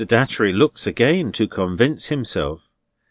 Datchery looks again, to convince himself.